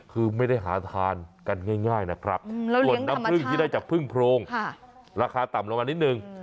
คือไม่ได้หาทานกันง่ายนะครับส่วนน้ำผึ้งที่ได้จากพึ่งโพรงราคาต่ำลงมานิดนึง